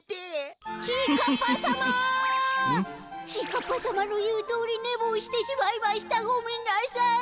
ちぃかっぱさまのいうとおりねぼうしてしまいましたごめんなさい。